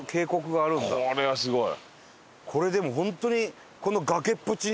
これはすごい。